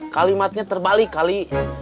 kalimatnya terbalik kali